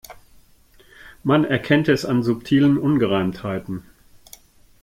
Man erkennt es an subtilen Ungereimtheiten.